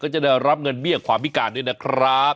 จะได้รับเงินเบี้ยความพิการด้วยนะครับ